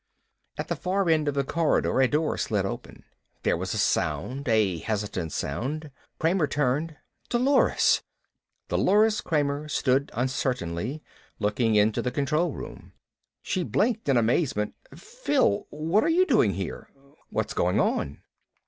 At the far end of the corridor a door slid open. There was sound, a hesitant sound. Kramer turned. "Dolores!" Dolores Kramer stood uncertainly, looking into the control room. She blinked in amazement. "Phil! What are you doing here? What's going on?"